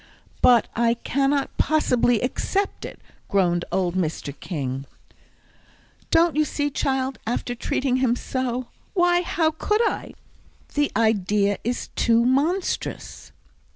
"But I cannot possibly accept it," groaned old Mr. King; "don't you see, child, after treating him so? Why, how could I? The idea is too monstrous!"